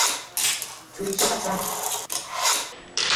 Tulichoka sana